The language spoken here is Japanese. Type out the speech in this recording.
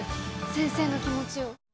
先生の気持ちを。